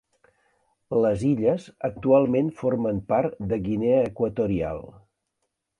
Les illes actualment formen part de Guinea Equatorial.